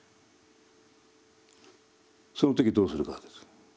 その時どうするかです。